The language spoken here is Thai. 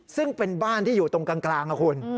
ซึ่งเป็นบ้านที่อยู่ตรงกลางนะคุณ